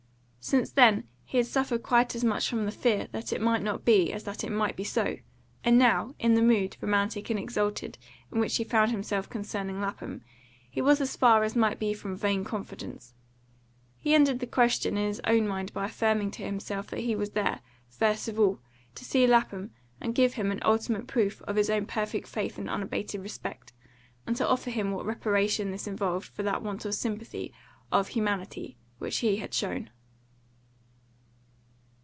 Since that he had suffered quite as much from the fear that it might not be as that it might be so; and now, in the mood, romantic and exalted, in which he found himself concerning Lapham, he was as far as might be from vain confidence. He ended the question in his own mind by affirming to himself that he was there, first of all, to see Lapham and give him an ultimate proof of his own perfect faith and unabated respect, and to offer him what reparation this involved for that want of sympathy of humanity which he had shown.